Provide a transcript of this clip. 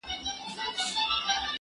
زه له سهاره سبزیجات جمع کوم